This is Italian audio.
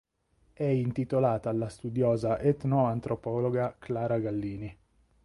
È intitolata alla studiosa etnoantropologa Clara Gallini.